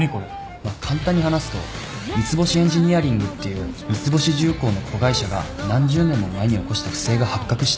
まあ簡単に話すと三ツ星エンジニアリングっていう三ツ星重工の子会社が何十年も前に起こした不正が発覚して。